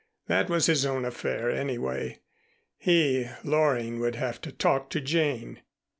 That was his own affair, anyway. He, Loring, would have to talk to Jane.